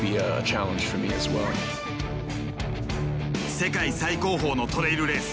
世界最高峰のトレイルレース